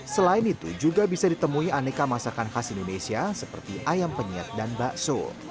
selain itu juga bisa ditemui aneka masakan khas indonesia seperti ayam penyiat dan bakso